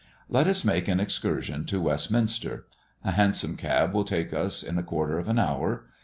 Let us make an excursion to Westminster; a Hansom cab will take us in a quarter of an hour.